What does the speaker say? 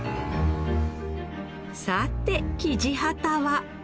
さてキジハタは